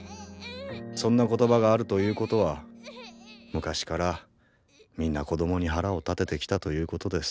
そんな言葉があるということは昔からみんな子供に腹を立ててきたということです。